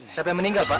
siapa yang meninggal pak